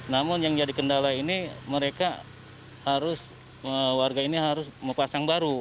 namun yang jadi kendala ini mereka harus warga ini harus mempasang baru